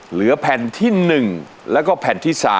เหลือแผ่นที่๑แล้วก็แผ่นที่๓